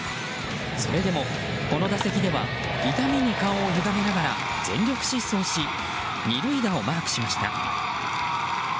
それでも、この打席では痛みに顔をゆがめながら全力疾走し２塁打をマークしました。